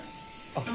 あっ。